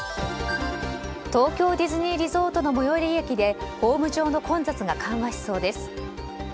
東京ディズニーリゾートの最寄り駅でホーム上の混雑が緩和しそうです。